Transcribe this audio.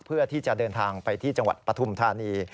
เพื่อที่จะเดินทางไปที่จังหวัดปฐุมธานี